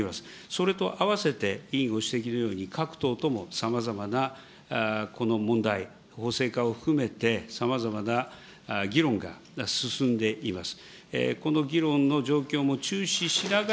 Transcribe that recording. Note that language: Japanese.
それと併せて、委員ご指摘のように、各党ともさまざまなこの問題、法制化を含めて、さまざまな議論が進んでいます。